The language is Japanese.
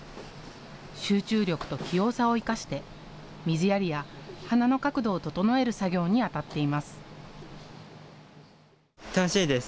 集中力と器用さを生かして水やりや花の角度を整える作業にあたっています。